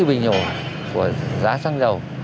bình ồn của giá xăng dầu